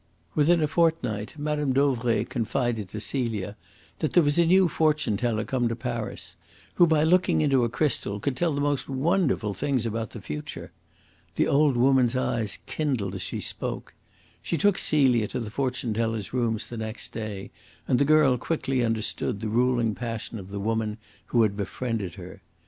Within a fortnight Mme. Dauvray confided to Celia that there was a new fortune teller come to Paris, who, by looking into a crystal, could tell the most wonderful things about the future. The old woman's eyes kindled as she spoke. She took Celia to the fortune teller's rooms next day, and the girl quickly understood the ruling passion of the woman who had befriended her.